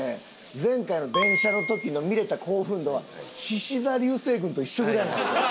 前回の電車の時の見れた興奮度はしし座流星群と一緒ぐらいなんですよ。